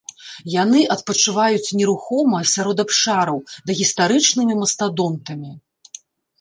Яны адпачываюць нерухома сярод абшараў дагістарычнымі мастадонтамі.